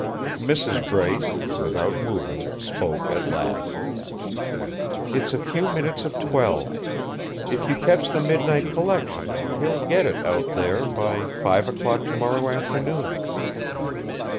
Mrs. Brace, without moving, spoke at last: "It's a few minutes of twelve. If you catch the midnight collection, he'll get it, out there, by five o'clock tomorrow afternoon."